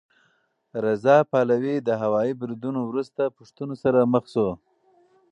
رضا پهلوي د هوايي بریدونو وروسته پوښتنو سره مخ شو.